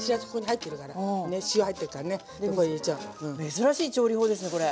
珍しい調理法ですねこれ。